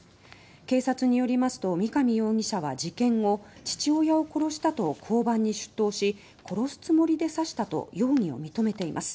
警察によりますと三上容疑者は事件後「父親を殺した」と交番に出頭し「殺すつもりで刺した」と容疑を認めています。